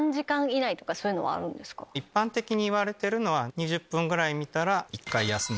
一般的にいわれてるのは２０分ぐらい見たら１回休む。